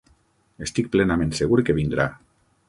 Estic plenament segur que vindrà.